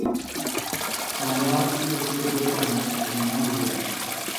سارا بِیڈوۡ کِر دِتوۡ ہنتہ ہِیمال وھیندیۡ۔